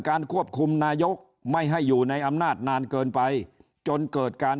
ควบคุมนายกไม่ให้อยู่ในอำนาจนานเกินไปจนเกิดการ